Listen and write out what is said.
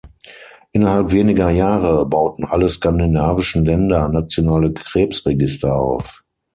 Innerhalb weniger Jahre bauten alle skandinavischen Länder nationale Krebsregister auf.